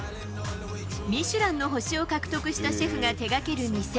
ミシュランの星を獲得したシェフが手がける店。